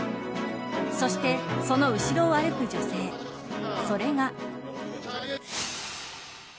そして、その後ろを歩く女性それが。